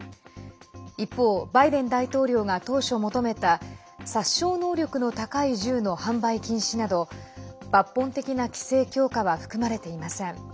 一方、バイデン大統領が当初求めた殺傷能力の高い銃の販売禁止など抜本的な規制強化は含まれていません。